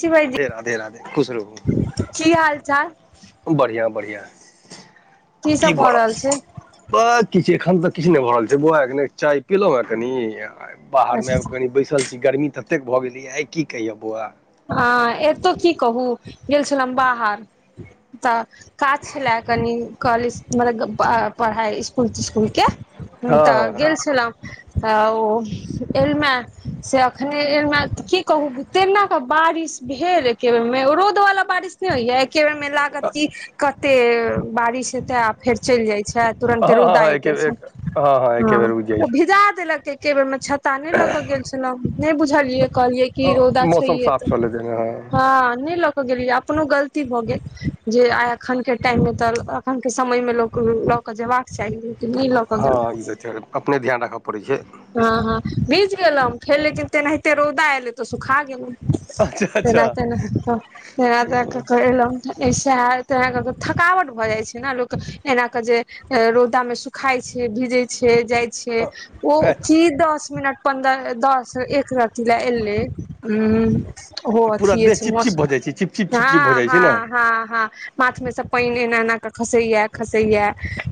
की भाइजी, राधे राधे राधे की हाल- चाल? बढ़िआँ बढ़िआँ, की भऽ रहल छै। बस किछ नै, एखन तऽ किछ नै भ रहल छै, बौआ एखने चाय पिलहुँ कनी बाहरमे आबि कनि बैसल छी, गर्मी ततेक भऽ गेलैए आइ, की कहिय बौआ। हँ एतौ की कहू, गेल छलहुँ बाहर तऽ काज छले कनि कॉलेज, मतलब पढ़ाइ स्कूल तिस्कुलके हुं तऽ गेल हँ छलहुॅं। आ ओ एलमे से अखने एलौहे की कहू तेना बारिश भेल एके बेर मे, रौद वला बारिश नै होइये एके बेर मे लागत की कते ते बारिश हेतै आ फेर चलि जाइ छै आ हँ तुरन्ते हँ रौदा हँ आबि एके जाइ बेर छै, एके हँ बेर उगि जाइ भिजा देलक ए के बेर मे छाता नै ल क गेल छलहु, नै बुझलिये कहलियै कि छै रौदा छै मौसम साफ तऽ छलै तेने हँ नै ल के गेलियै अपनो गलती भऽ गेल जे आइ एखन के टाइम मे तऽ अखन के समय मे लोक लऽ कऽ जेबाक चाही लेकिन नै लऽ कऽ हँ ई गेलहुं। तऽ छै अपने ध्यान राखऽ पड़ै छै। हँ हँ भीज गेलहुं फेर लेकिन तेनाहिते रौदा एले तऽ सुखा गेलहुं। अच्छा तेना- अच्छा तेना कऽ कऽ तेना-तेना कऽ क एलहुं। सेहे त ऐना कऽ के थकावट भऽ जाइ छै ने लोक के, एना कऽ जे रौदा मे सुखाइ छै, भीजै छै, जाइ छै ओ की दस मिनट पन्दह दस एक रति ले एलै, उम्म ओहो पूरा अथिये देह छै चिपचिप मौसम भऽ जाइ छै चिपचिप चिपचिप भऽ हँ जाइ छै ने हँ हँ हं। माथ में से पानि एना- एना क खसैया- खसैया।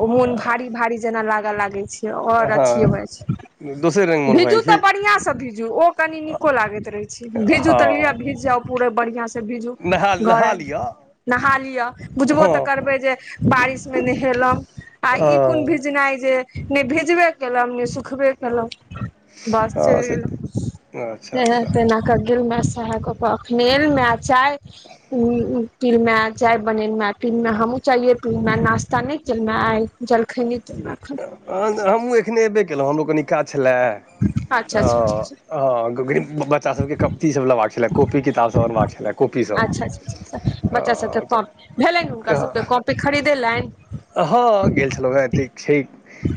ओ मोन भारी -भारी जेना लागऽ लागै छै और अथिये भ जाय छै। दोसर नै। भीजू तऽ बढ़िया स भीजू ओ कनी नीको लागैत रहेै छै, भीजू तऽ लिअ हँ भीज जाउ। पूरा बढ़िया से भीजू नहा घर नहा आबि लिअ नहा लिअ बुझबो तऽ हँ करबै जे बारिशमे नहेलहुँ। आ ई कोन हँ भीजनाइ जे नै भीजबे केलहु ने सुखबे केलहुं। बस हँ चल से अच्छा नहा अच्छा सोना के गेल सैह गप। तऽ एखने एलौं आ चाय पीनमे चाइ बनेलउ पीमे हमहुँ चाये पीलौ नास्ता नै केलहु आय जलखै नै केलहु अखन हँ हमहूँ एखने एबे केलौ हमरो कनी काज छेल्लए। अच्छा अच्छा अच्छा हँ अच्छा। हँ [unintelligible] हँ बच्चा सबके कप थि सब लेबाक छेल्ला कॉपी किताब सब अनबाक छेल्ला। अच्छा -अच्छा बच्चा सबके कॉप तऽ भेलैनि हुनका सबके कॉपी खरीदेलैनि? हँ गेल छेलौ हेँ एतेक छै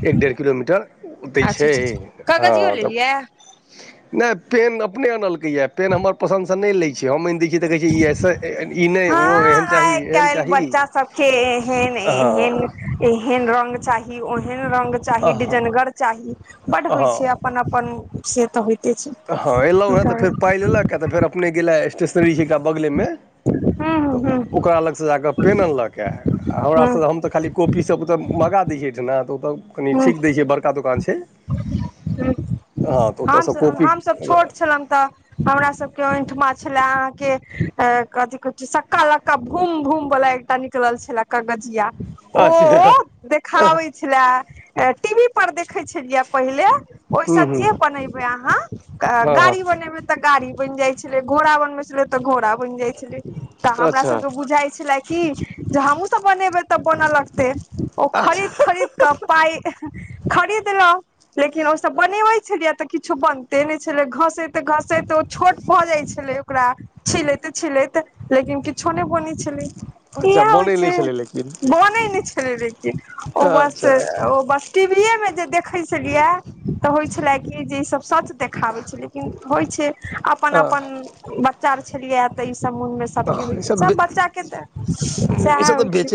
एक डेढ़ किलोमीटर। एतै अच्छा छै अच्छा हँ कागजियो तब। लेलियै नै पेन अपने आनलकैये पेन हमर पसन्दसँ नै लै छै हम अइन दै छियै तऽ कहै छै ई अइसा तऽ एलियै ने हँ आय कैल्ह बच्चा सबके एहन- एहन। एहन रंग चाही ओहेन रंग - चाही हँ डीजनगर चाही बड होय छै हँ अपन -अपन से तऽ होय - [unintelligible] किएक तऽ फेर अपने गेलए स्टेशनरी जेका बगले मे। हूँ तऽ हूँ हूँ ओकरा लगसँ जा कऽ पेन अनलक ए हमरा हूँ सँ हम तऽ खाली। कॉपी सब तऽ मँगा दै छै एहिठिना तऽ ओतऽ। कनि हूँ ठीक दै छै बड़का दुकान छै हँ ओतऽ सँ कॉपी। सब छोट छेलैन तऽ। हमरा सबके ओहिठमा छेल्ला आहाँ के कथि कहै सक्का लक्का भूम -भूम बला एक। तऽ निकलल छेल्ला कगजिया ओ अच्छा देखाबै। छेल्ला ए टी बी पर देखै छेलियै पहिले। ओहिसँ हूँ हूँ जे बनेबै अहाँ, हँ हँ गाड़ी बनेबै तऽ गाड़ी बनि जाइ छलै, घोड़ा बनबे छलै तऽ घोड़ा बनि जाइ छलै, तऽ हमरा अच्छा सब के बुझाई छले की जे हमहूँ सब बनेबै तऽ बनऽ लगतै, ओ खरीद- अच्छा खरीद कऽ। पाइ खरीदेलऊं। लेकिन ओसभ बनेबै छलियै तऽ किछो बनिते नहि छलै, घसैत- घसैत छोट भऽ जाइत छलै ओकरा, छीलैत- छिलैत लेकिन किछो नहि बनै छलै। अच्छा इए होइ बनै नहि छै, छलै लेकिन बने नै छले लेकिन ओ बस अच्छा अच्छा ओ बस टीवीए मे जे देखे छलियै, तऽ होइ छले की जे ई सब सच देखाबै छै, लेकिन होइ छै, अपन- अपन बच्चा आर छलियै तऽ ई सब मन में सब हँ के होइ छै, ईसभ सब बच्चा के तऽ सएह होइ छै।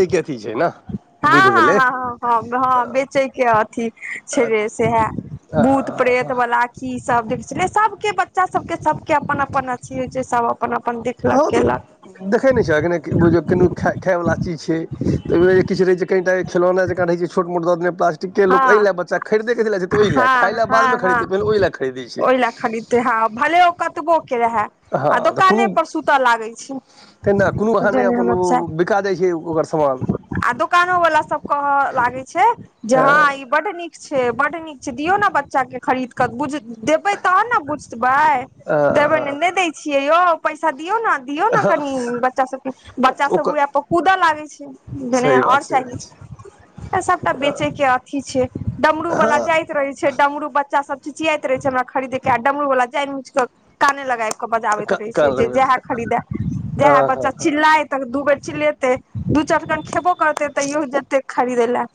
बुइध भेलै। हं -हँ बेचे के अथी छैले सैहे, भूत- प्रेत वाला। राखी सब देखे छलै, सबके बच्चा सब के सबके अपन- अपन अथी हो छै सब अपन अपन देखलक हँ तऽ केलक देखै नै छ, अखनै कियो बुइझ कनि खै खाय वला चीज छै, तऽ ओ जे किछ रहय छै, कनिटा के खेलौना जेकाँ रहै छै छोट- मोट दऽ देने प्ला ते हँ लोक एहि ले बच्चा खरीदे के लए, खाय हँ ले बाद हँ मे हँ खरीदे छै, पहिने ओहि ले खरीदै छै। ओहि खरीदते हैं भलै ओ कतबौ के रहे। हँ तऽ कोनो। तेना कोनो बहाने बुझलियै अपन हमर ओ चाय बिका जै छै ओकर सामान। आ दोकानो वाला सब कह लागे छै, जे अ हँ ई बड नीक छै बड नीक छै, दियौ ने बच्चा के खरीद बुझ देबै तहन ने बुझबै, अ देबै नै दै छियै यौ। पैसा दियो ने दियो ने कनि, बच्चा सब के बच्चा सब ओकर उहै पर कूदऽ लागे छै। जने सही बात आओर सही चाही, बात छै त सबटा बेच के अथी छै, डमरू वाला जाइत रहै छै छै डमरु बच्चा सब चिचियाइत रहे छै, हमरा खरीदे के आ डमरु वाला जैन बुइझ के कान लगाय बजाबैत रहै छै, कान जे लगबै जैहे खरीदे हँ जैह हँ बच्चा चिल्लाइत तऽ दू बेर चिलेते, दू चटकन खेबो करते, तैयो जेते खरीदे लऽ।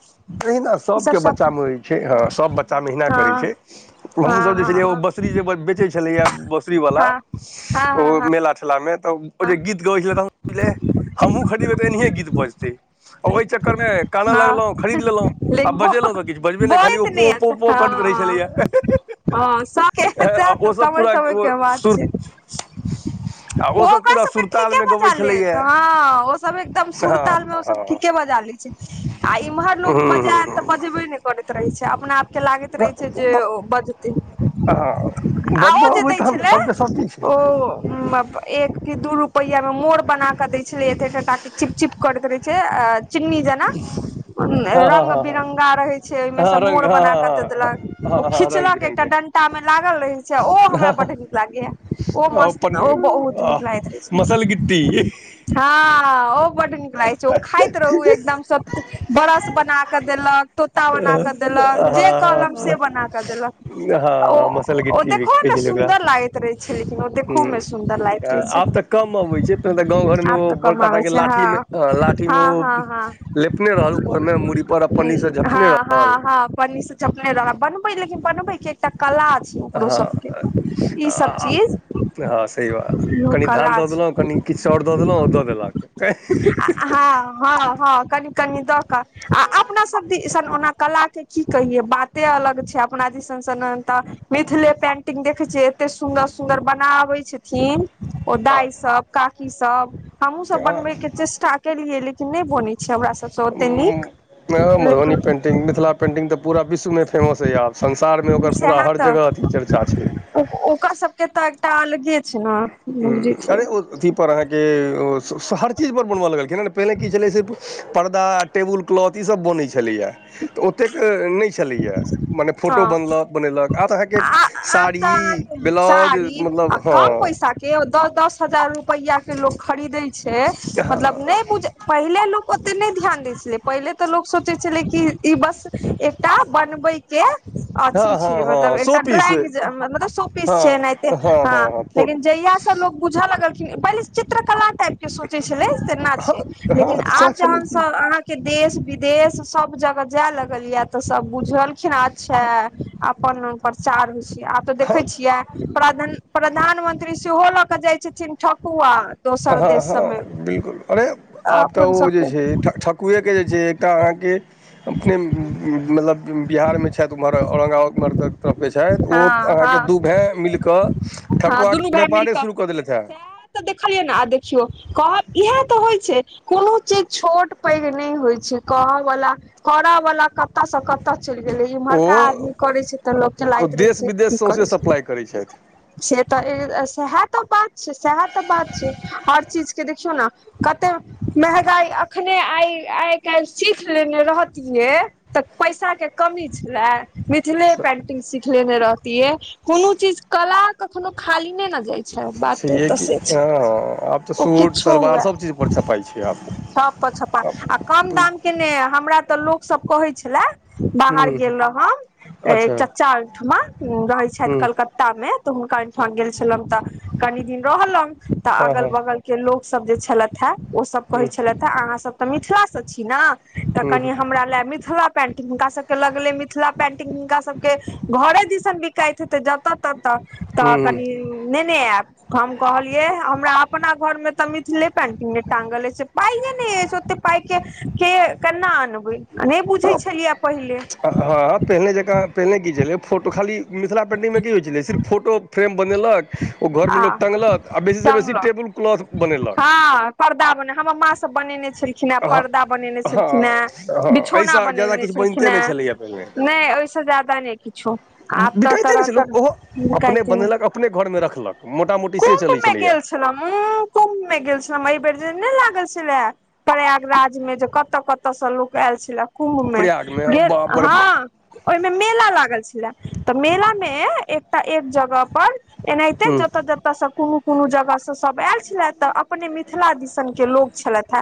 एहिना सभके बच्चामे होइ छै, हँ सभ बच्चा एहिना करै हँ छै। हँ हमहूँसभ जे छलियै ओ हँ बोंसरी जे बेचैत छलैए बोंसरीवला। हँ हँ ओ हँ हँ मेला ठेला मे तऽ। ओ जे गीत गबैत छलै त हम हमहूँ खरीदबै तऽ एनायए गीत बजतै आ ओहि चक्कर मे कानऽ हँ लगलौं। खरीद लेलहुँ आ लेकिन बजेलहुँ तऽ किछ बजबे नहि खाली ओ बहैत पों- पों करैत रहै हँ छलैएा हँ सबके सएह तऽ ओसभ समय पूरा समय ओ के बात सुर छै आ ओ सब पूरा सुरताल में ले तऽ हँ ओ सब एकदम हँ सुरताल में ओ सब हँ ठीके बजा लै छै। आ इम्हर लोग हूँ बजात हूँ तऽ बजबे ने करैत रहे छै अपना के लागैत रहै छै जे ओ बजतै। हँ आ ओ बजबऽ जे अबै दै तहन ने छलै सभके सभ चीज छै ने ओ एक कि दू रूपया में मोड़ बना के देय छले एते टा- टा के चिपचिप करैत रहै रहे छै चिनी जेना हँ रंग हँ हँ बिरंगा रहै छ छै, ओहिमें हँ से हँ रङ्ग मोड़ हँ बना के दऽ हँ देलक हँ ओ हँ हँ रङ्ग खीचलक एकटा बिरङ्गके डंटा में लागल रहे छै, ओ हमरा हँ बड न क लागैया ओ हँ मस्त पन्नी ओ बहुत निक लागत रइह मसल गिट्टी छै। हँ ओ बड़ नीक खाइत रहु एकदम सब ब्रश बना क देलक तोता बना क देलक जे कहलम से हँ बना कऽ देलक। ओ हँ मसल - ओ गिट्टी भी देखहो कहै ने छलै ओकरा सुन्दर लागैत रहे छै, लेकिन ओ देखहो हूँ मे सुन्दर लागैत रहै छै आब तऽ कम अबैत छै, तऽ गाँं घर मे आब ओ तऽ कम बड़का टा आबै के छै हँ लाठी में लाठी में ओ हँ हँ लेपने रहल ऊपर मे मूड़ी पर, पनी से झपने रहल ह पनी से झपने रहल, बनबे लेकिन बनबे के एकटा कला छै। ओकरो हँ सबके ईसभ चीज। हँ सही बात कनि धान कला दऽ छै देलहुँ, कनि किछु और दऽ देलक ओ दऽ देलक। हँ- हँ- हँ कनि- कनि दऽ कऽ आ अपना सब दिसन ओना कला के की कहिए बाते अलग छै, अपना दिसन तऽ मिथिले पेंटिंग देखे छियै एते सुंदर- सुन्दर बनाबेत थिन ओ दाय सब काकी सब हमहु सब बनबै के चेस्टा केलियै लेकिन नहि बनै छै हमरा सबसँ ओते नीक। मधुनी लेकिन पेन्टिङंग मिथिला पेन्टिंग तऽ पूरा विश्व में फेमस अइए आब संसारमे ओकर पूरा सएह हर तऽ जगह चर्चा छै। ओकर सबके तऽ एकटा अलगे छै ने। ह बुझै छियै अरे ओ अथीपर आहाँ के ओ से हर चीज पर बनब लगलखिन पहिले की छले से परदा टेबुल क्लॉथ ईस बनै छलैएा तऽ ओतेक नहि छलैएा मने हँ फोटो बनलक बनेलक आब अहाँके आ आब साड़ी तऽ अहाँके ब्लाउज मतलब हँ केओ दस दस हजार रुपैआ के लोकोग खरीदै छै मतलब नहि बुझ पहिले लोक ओते नहि ध्यान दै छलै, पहिले तऽ लोक सोचै छलै कि ई-ई बस एकटा बनबै के हँ अथी हँ छै मतलब हँ शो एकटा पीस ड्रॉइंग मतलब शो पीस छै एनैहते। हँ लेकिन जहिया सब लोग बुझऽ लगलखिन पहिले चित्रकला टाइप के सोचै छलै तेना हँ छै हँ लेकिन तऽ सएह आब छलै जहन कि सॅं के देश विदेश सब जगह जाय लगल ये तऽ सब बुझलखिन अच्छा आ अपन प्रचार होइ छै, आब तऽ देखे हँ छियै प्रधान - प्रधानमंत्री सेहो लऽ कऽ जाइ छथिन ठकुआ। दोसर हँ- देश सबमे हँ बिल्कुल अरे आब त अपन ओ जे सबके छै ठ कुएके जे छै एकटा अहाँके अपने मतलब बिहारमे छथि ओम्हर औरङंगाबाद ओम्हरके तरफके छथि ओ हँ अहाँके हँ दू भाय मिल कऽ हँ दुनू ठकुआके भाय मिल व्यापारे शुरू कऽ देलथि हे। सएह तऽ देखलियै ने आ देखियौ कहब इएह तऽ होइ छैय। कोनो चीज छोट पैघ नहि होइत छैय कहयवला, करयवला कतयसँ कतय चलि गेलै इम्हरका आदमी ओ करै छैय तऽ लोक लागैत रहै देश छैय विदेश की करै सौँसे छैय कि सप्लाइ करै छथि नइ। से तऽ सएहा तऽ बात छैय सएहा तऽ बात छैय हर चीजके देखियौ न कते महगाई अखने आइ, आइ काइल सीख लेने रहत तऽ पैसा के कमी छला मिथिले पेंटिंग सिखलेने रह ते कोनो चीज कला कखनो खाली ने न जाय अच्छा बाते छैहे त कि से हँ छैय आब तऽ ओ सूट किछो सलवार हुए। सभ चीजपर छपाइ छै आब छ प छप्पा आ कम हूँ दाम के ने हमरा तऽ लोकसभ कहै छला बाहर हूँ गेल रहौं एक अच्छा चचा ओयठमा रहै छथि हूँ कलकता ता मे तऽ हुनका ओइठमा गेल छलहुॅं तऽ कनी दिन रहलहुं तऽ हँ अगल हँ बगल के लोकसभ जे छलथि हा ओसभ कहै हूँ छलथि हा अहाँसभ तऽ मिथिलासँ छी न हूँ कनि हूँ हमरा ले मिथिला पेंटिंग हुनका सब के लगले मिथिला पेंटिंग हुनका सबके घरे दिसन बिकाइत हेेतय जतऽ ततऽ तऽ तऽ हूँ कनि नेेने आयब। हम कहलियै हमरा अपना घरमे तऽ मिथिले पेंटिंग नहि टाँगल अछि से पाइए नहि अछि ओतेक पाइके के कना अनबै नहि बुझै हँ छलियै पहिले। हँ पहिने जकाँ पहिने की छलै फोटो खाली मिथिला पेन्टिगमे की होइत छलै सिर्फ फोटो फ्रेम बनेलक ओ घरमे आ लोक टङ्गलक आ बेसीसँ बेसी टंगलक टेबुल क्लॉथ बनेलक। हँ पर्दा बने हमर माँ सब बनेने छल खिन हेँ, हँ पर्दा बनेने हँ छलखिन हेँ, हँ बिछौना एहिसँ ज्यादा बनेने किछु छलखिन बनिते नहि हेँ छलैए पहिने नहि जदा नहि किछु आब तऽ बिकाइते नहि छै तरह-तरह लोक ओहो अपने बनेलक अपने घरमे रखलक मोटा मोटी से चलै छलैया। उन्ह्ह् कुंभ मे गेल छलहु एहि बेर जे नहि लागल छलैये प्रयागराजमे जे कतऽ कतऽसँ लोक आयल छले कुम् मे प्रयागमे गे, बड़ हूँ हँ ओहिमे मेला लागल छलै तऽ मेलामे एकटा एक जगह पर एनाहिते जत ततऽ ओतयसँ कोनो-कोनो जगहसँ सभ आयल छला तऽ अपने मिथिला दिसनक के लोक छलथि हा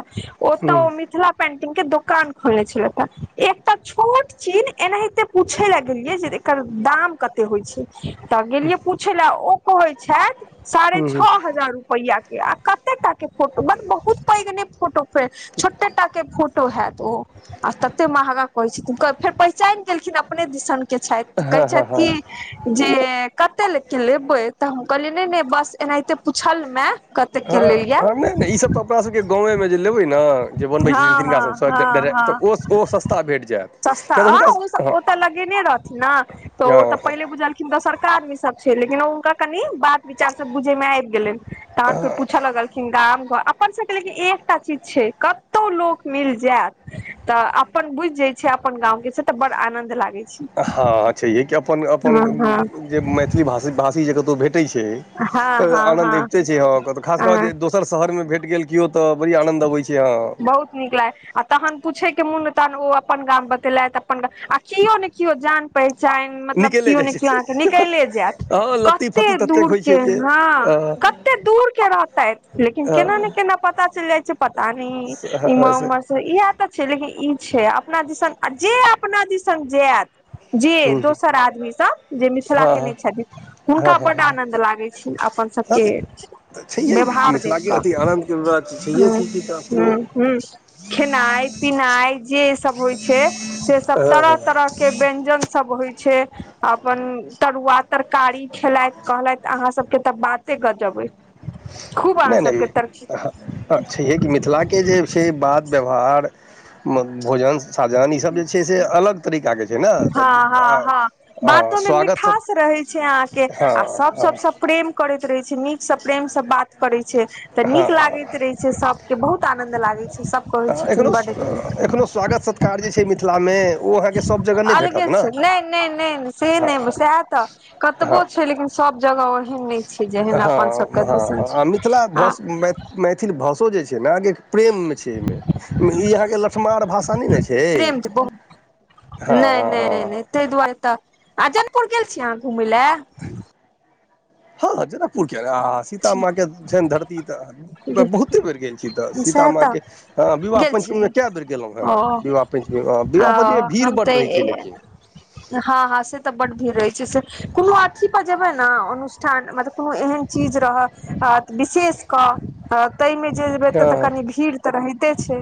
ओतऽ हूँ ओ मित मिथिला पेंटिंगके दोकान खोलने छलैथहा, एकटा छोट छीन एनाहिते पूछैला गेलियै जे एकर दाम कते होइ छैय तऽ गेलियै पूछय लऽ ओ कहै छैय साढ़े हूँ छह हजार रुपआके आ कते टा के फोटो बहुत पैघ नइ फोटो फ छोटे के फोटो हयत ओ आ तते महगा कहै छैय फेर पहिचान गेलखिन अपने दिसन के छैथ, कहै हँ हँ हँ छथि कि जे कते के लेबै तऽ हम कहलियै नहि- नहि बस एनाहिते पूछलहु हां। हँ नहि -नहि ई सब तऽ अपना सबके गाँवेमे जे लेबै ने जे बनबै छथिन हँ तिनका हँ सबसँ हँ ड हँ डायरेक्ट ओ ओ सस्ता भेट जायत सस्ता किएक तऽ अ हुनका ओ ओ तऽ लगेने रहथिन ने तऽ ओ हँ तऽ पहिले हँ बुझलखिन दोसरका आदमी सब छैय लेकिन ओ हुनका कनि बात विचारसँ बुझे में आबि गेलनि तहन फेर पूछऽ लगलखिन गाम अपन सबके लेकिन एकटा चीज छैय कतौ लोक मिल जायत तऽ अपन बुझि जाय छैय अपन गाँंवके छैय तऽ बड़ आनंद लागय छैय। हँ छैहे कि हँ अपन-अपन जे मैथिली भाषी जे कतहु भेटैत छैय हँ तऽ हँ आनन्द हँ अबिते छैय खास क कऽ हँ जे दोस्त दोसर शहरमे भेट गेल केओ तऽ बड़ी आनंन्द अबैत छै हॅं। बहुत नीक लागे आ तहन पूछे के मन तहन ओ अपन गाम बतेलथि अपन गाम आ केओ ने केओ जान पहिचान मतलब निकले कियो ने जाइ कियो अहाँके छथिन निकैले जायत हँ लत्ती कते फत्ती ततेक दूर होइ के छै जे हॅं हँ कते दूर के रहतैथ लेकिन केना ने केना पता चलि जाइ छै पता न हँ इम्हर उम्हर से इहेए तऽ छै लेकिन ई छै अपना दिसन आ जे अपना दिसन जायत जे दोसर आदमी सब जे मिथिला हँ के नै छथिन हँ हुनका हँ बड्ड आनन्द लागैत छनि अपन सभके हँ व्यवहार देखि कऽ। के बात त छैेहे छै कि तऽ अपनो हूॅं खेनाइ पिनाइ जे सब होइ छै से सब हँ तरह हँ तरह के व्यंजन सब होइ छै अपन तरुआ तरकारी खेलथि कहलथि अहा सब के तऽ बाते गजब अइ। खूब अहाँ सबके तरकी आ छैहे कि मिथिलाके जे छै बात व्यवहार भोजन साजन ई सब जे छै से अलग तरीकाके छै ने तऽ हँ हँ हँ हँ बातो मे स्वागत सब मिठास रहै छै आ अहाके हँ आ सब हँ सबसँ प्रेम करैत रहै छै नीकसँ प्रेमसँ बात करै छै। तऽ नीक हँ लागैत रहै छै सबके बहुत आनंद लागै छै सब कहै एखनो छथिन बड्ड नीक एखनो स्वागत सत्कार जे छै मिथ ला में ओ अहां के सब जगह नहि अलगे भेटत ने छै नहि नहि नहि नहि से हँ नहि सेहेए तऽ हँ कतबो छै लेकिन सब जगह ओहेन नहि छै जेहन हँ अपन सबके दिसन हँ छै आ मिथिला आ भाषा मैथिल भाषो जे छै ने अहाँके प्रेम छै अय मे ई अहाँके लठमार भाषा नहि ने छै। प्रेम बहुत हँ हँ हँ तहि दुआरे तऽ आ जनपुर गेल छीयै अहाँ घुमय लए? हँ हॅं जनकपुर किया नहि आ सीता माँ के छनि धरती तऽ बहुते बेर गेल छी तऽ सीता सएह माँ तऽ के हँ विवाह गेल पंचमी छी मे कए बेर गेलहुँ हे ओ विवाह पंचमी मे हँ विवाह ओ पंचमी मे भीड़ हम बड्ड तऽ रहै छै लेकिन हँ हँ से तऽ बड्ड भीड़ रहै छै से कोनो अथी पर जेबै ने अनुष्ठान मतलब कोनो एहन चीज रहत विशेष क तहिमे जे जेबै तऽ हँ कनि भीड़ तऽ रहिते छै।